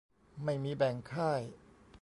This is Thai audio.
ไม่มีแบ่งค่าย